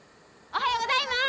おはようございます！